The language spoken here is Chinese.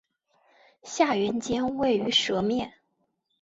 下原尖位于舌面。